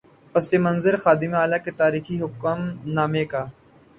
پس منظر خادم اعلی کے تاریخی حکم نامے کا۔